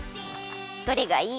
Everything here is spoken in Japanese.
どれがいい？